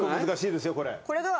難しいですよこれ。